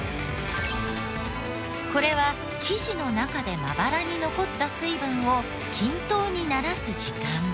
これは生地の中でまばらに残った水分を均等にならす時間。